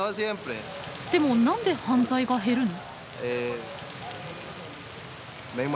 でも何で犯罪が減るの？